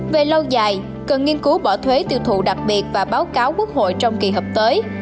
về lâu dài cần nghiên cứu bỏ thuế tiêu thụ đặc biệt và báo cáo quốc hội trong kỳ hợp tới